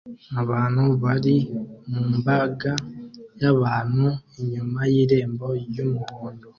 Abantu bari mu mbaga y'abantu inyuma y'irembo ry'umuhondo